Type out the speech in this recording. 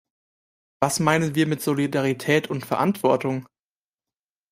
Was meinen wir mit Solidarität und Verantwortung?